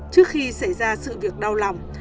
trước khi xảy ra sự việc đau lòng